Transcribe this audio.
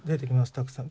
たくさん。